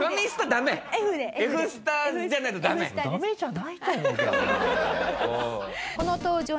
ダメじゃないと思うけどな。